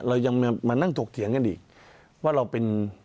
เรายังมานั่งถกเถียงกันอีกว่าเราเป็น